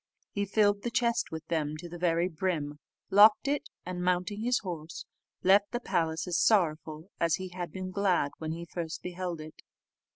He filled the chest with them to the very brim, locked it, and, mounting his horse, left the palace as sorrowful as he had been glad when he first beheld it.